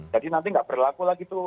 jadi nanti gak berlaku lagi tuh